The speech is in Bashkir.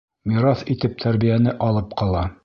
Мираҫ итеп тәрбиәне алып ҡала.